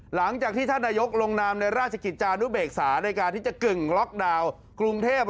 หลังจากที่ท่านนายกลงนามในราชกิจจานุเบกษาในการที่จะกึ่งล็อกดาวน์กรุงเทพ